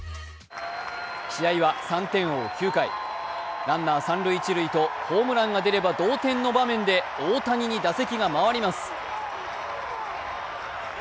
試合は３点を追う９回、ランナー三塁・一塁とホームランが出れば同点の場面で大谷に打席が回ります。